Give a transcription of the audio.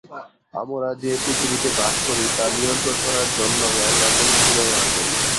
আমরা যে পৃথিবী তে বাস করি তা নিয়ন্ত্রণ করার জন্যই আমরা প্রযুক্তি ব্যবহার করি।